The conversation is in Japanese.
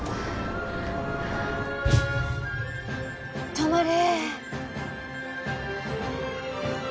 止まれ